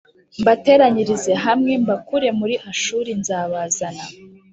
mbateranyirize hamwe mbakure muri Ashuri s nzabazana